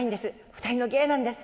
２人の芸なんです。